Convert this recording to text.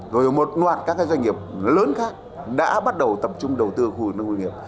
rồi một loạt các doanh nghiệp lớn khác đã bắt đầu tập trung đầu tư khu vực nông nghiệp